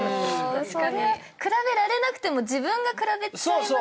比べられなくても自分が比べちゃいますよね。